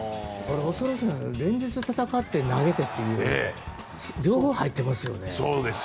恐ろしいのは連日、戦って投げてと両方入ってますよね。